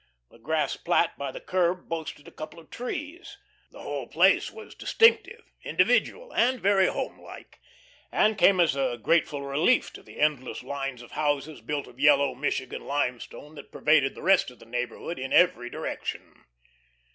The grass plat by the curb boasted a couple of trees. The whole place was distinctive, individual, and very homelike, and came as a grateful relief to the endless lines of houses built of yellow Michigan limestone that pervaded the rest of the neighbourhood in every direction.